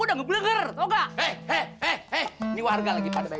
udah kayak amerika sama irak aja